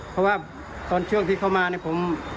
เพราะว่าตอนช่วงที่เขามาเนี่ยผม